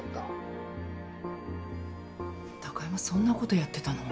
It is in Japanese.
貴山そんなことやってたの？